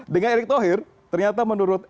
dengan erick thohir ternyata menurut